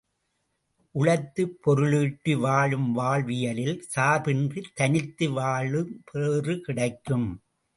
உழைத்துப் பொருளீட்டி வாழும் வாழ்வியலில், சார்பின்றித் தனித்து வாழும் பேறு கிடைக்கும்.